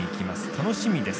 楽しみです。